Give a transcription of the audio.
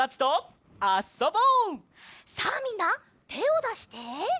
さあみんなてをだして。